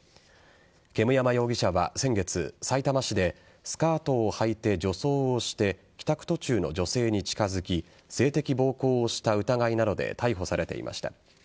煙山容疑者は先月、さいたま市でスカートをはいて、女装をして帰宅途中の女性に近づき性的暴行した疑いなどで逮捕されていました。